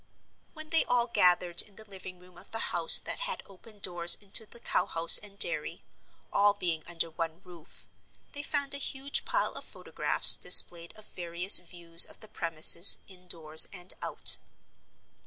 When they all gathered in the living room of the house that had open doors into the cow house and dairy, all being under one roof, they found a huge pile of photographs displayed of various views of the premises indoors and out.